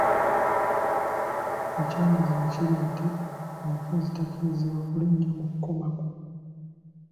Ekyamazima kiri nti omukazi takkirizibwa kulinnya mu kkomago